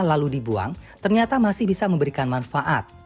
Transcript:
lalu dibuang ternyata masih bisa memberikan manfaat